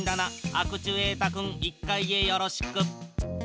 アクチュエータ君１階へよろしく。